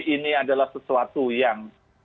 ini adalah sesuatu yang